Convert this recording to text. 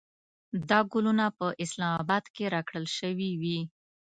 دا ګلونه په اسلام اباد کې راکړل شوې وې.